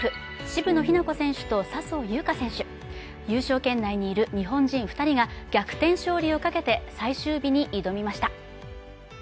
渋野日向子選手と笹生優花選手、優勝圏内にいる日本人２人が逆転勝利をかけて最終日に挑みました。